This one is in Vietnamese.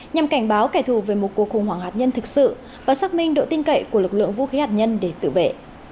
nhằm cảnh báo kẻ thù về một cuộc khủng hoảng hạt nhân thực sự và xác minh độ tin cậy của lực lượng vũ khí hạt nhân để tự vệ